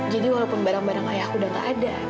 jadi walaupun barang barang ayah aku udah gak ada